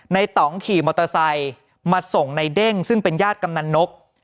ต่องขี่มอเตอร์ไซค์มาส่งในเด้งซึ่งเป็นญาติกำนันนก